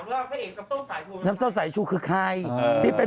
ว่าเน้นน้ำซ่มไสชูคือใครเป็น